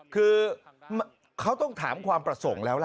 คือเขาต้องถามความประสงค์แล้วล่ะ